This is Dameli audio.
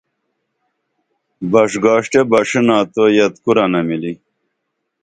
بش گاݜٹیہ بݜینا تو یت کورنہ مِلی